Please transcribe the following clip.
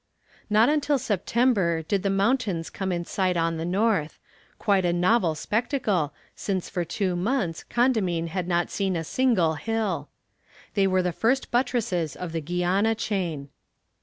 Not until September did the mountains come in sight on the north quite a novel spectacle, since for two months Condamine had not seen a single hill. They were the first buttresses of the Guiana chain.